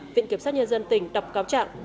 viện kiểm soát nhân dân tỉnh đọc cáo trạng